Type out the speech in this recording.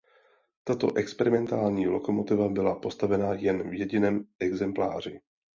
Tato experimentální lokomotiva byla postavena jen v jediném exempláři.